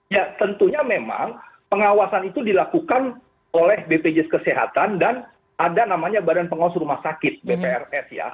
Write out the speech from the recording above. ya tentunya memang pengawasan itu dilakukan oleh bpjs kesehatan dan ada namanya badan pengawas rumah sakit bprs ya